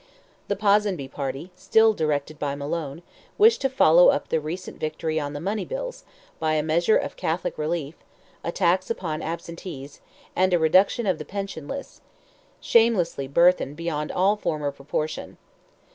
The Ponsonby party, still directed by Malone, wished to follow up the recent victory on the money bills, by a measure of Catholic relief, a tax upon absentees, and a reduction of the pension list, shamelessly burthened beyond all former proportion.